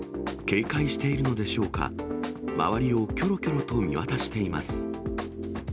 警戒しているのでしょうか、周りをきょろきょろと見渡しています。